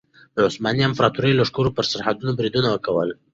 د عثماني امپراطورۍ لښکرو پر سرحدونو بریدونه کول.